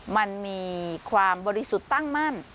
มันมีความบริสุทธิ์ตั้งมั่น